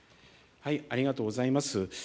ありがとうございます。